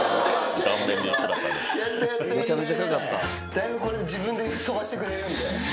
だいぶこれで自分で飛ばしてくれるんで。